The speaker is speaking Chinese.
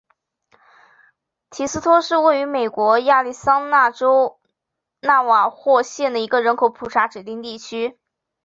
提斯托是位于美国亚利桑那州纳瓦霍县的一个人口普查指定地区。